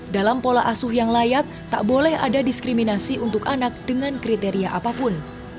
dalam pola asuh yang layak tak boleh ada diskriminasi untuk anak dengan kriteria apapun